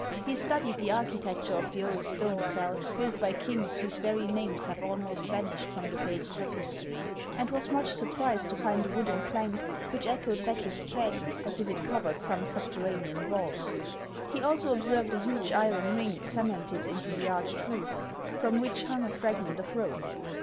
He studied the archi tecture of the old stone cell, built by kings whose very names have almost vanished from the pages of history, and was much surprised to find a wooden plank, which echoed back his tread as if it covered some subterranean vault. He also observed a huge iron ring cemented into the arched roof, from which hung a fragment of rope.